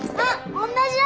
おんなじだ。